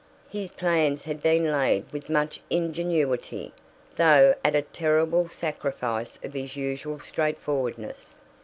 His plans had been laid with much ingenuity, though at a terrible sacrifice of his usual straight forwardness.